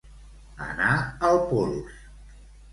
Anar el pols.